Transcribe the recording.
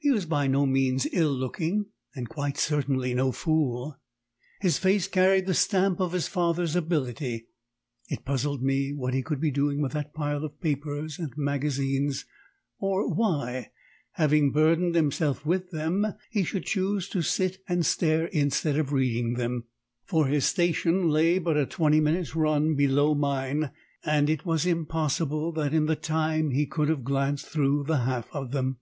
He was by no means ill looking, and quite certainly no fool. His face carried the stamp of his father's ability. It puzzled me what he could be doing with that pile of papers and magazines; or why, having burdened himself with them, he should choose to sit and stare instead of reading them. For his station lay but a twenty minutes' run below mine, and it was impossible that in the time he could have glanced through the half of them.